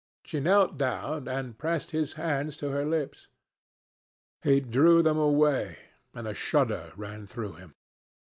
She knelt down and pressed his hands to her lips. He drew them away, and a shudder ran through him.